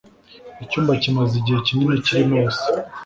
Icyumba kimaze igihe kinini kirimo ubusa.